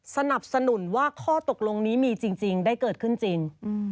สนับสนุนว่าข้อตกลงนี้มีจริงได้เกิดขึ้นจริง